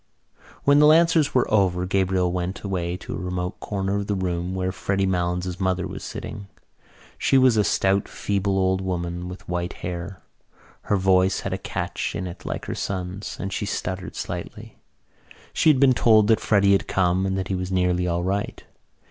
When the lancers were over Gabriel went away to a remote corner of the room where Freddy Malins' mother was sitting. She was a stout feeble old woman with white hair. Her voice had a catch in it like her son's and she stuttered slightly. She had been told that Freddy had come and that he was nearly all right.